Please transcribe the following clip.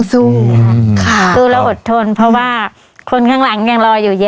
สู้ค่ะสู้แล้วอดทนเพราะว่าคนข้างหลังยังรออยู่เยอะ